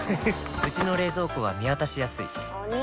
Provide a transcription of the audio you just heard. うちの冷蔵庫は見渡しやすいお兄！